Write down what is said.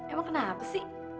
emang kenapa sih